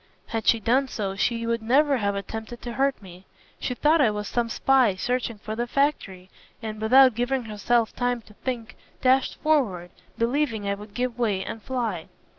Had she done so, she would never have attempted to hurt me. She thought I was some spy searching for the factory, and without giving herself time to think dashed forward, believing I would give way and fly.